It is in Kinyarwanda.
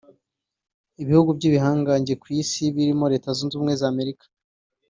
Ibihugu by’ibihangange ku isi birimo Leta Zunze Ubumwe za Amerika